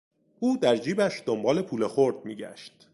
او در جیبش دنبال پول خرد میگشت.